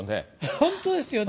本当ですよね。